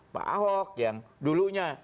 pak ahok yang dulunya